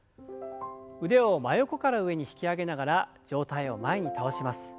腕を真横から上に引き上げながら上体を前に倒します。